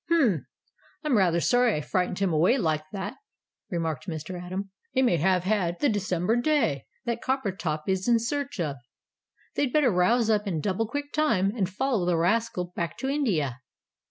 "H'm! I'm rather sorry I frightened him away like that," remarked Mr. Atom; "he may have had the December day that Coppertop is in search of. They'd better rouse up in double quick time, and follow the rascal back to India."